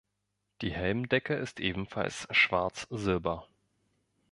Die Helmdecke ist ebenfalls schwarz-silber.